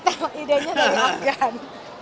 tetap idenya dari agan